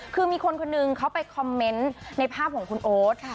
คือมีคนคนหนึ่งเขาไปคอมเมนต์ในภาพของคุณโอ๊ต